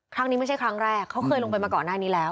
ครั้งนี้ไม่ใช่ครั้งแรกเขาเคยลงไปมาก่อนหน้านี้แล้ว